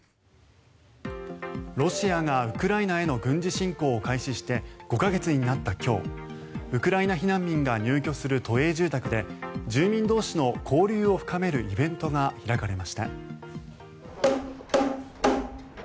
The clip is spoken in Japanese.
ロシアがウクライナへの軍事侵攻を開始して５か月になった今日ウクライナ避難民が入居する都営住宅で住民同士の交流を深めるイベントが開かれました。